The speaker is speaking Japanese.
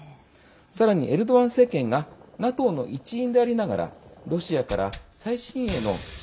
さらに、エルドアン政権がＮＡＴＯの一員でありながらロシアから最新鋭の地